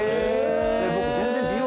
僕。